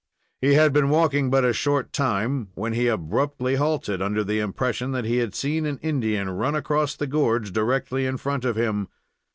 He had been walking but a short time when he abruptly halted, under the impression that he had seen an Indian run across the gorge directly in front of him.